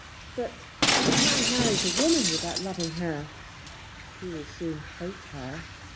But if a man marries a woman without loving her, he will soon hate her."